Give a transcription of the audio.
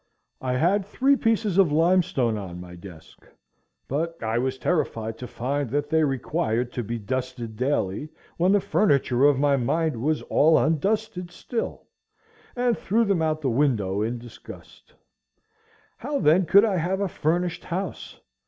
I had three pieces of limestone on my desk, but I was terrified to find that they required to be dusted daily, when the furniture of my mind was all undusted still, and I threw them out the window in disgust. How, then, could I have a furnished house?